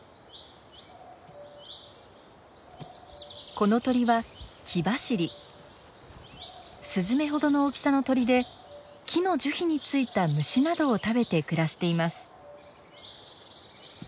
この鳥はスズメほどの大きさの鳥で木の樹皮についた虫などを食べて暮らしています。